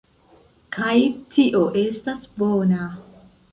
kaj tio estas bona.